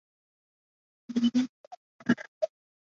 吠舍男子与刹帝利女子所生下的后代叫做摩偈闼。